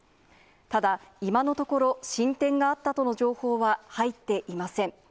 ただ、今のところ、進展があったとの情報は入っていません。